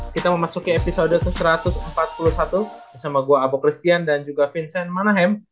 kita memasuki episode ke satu ratus empat puluh satu bersama gua abo christian dan juga vincent manahem